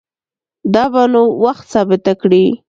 دا به نو وخت ثابته کړي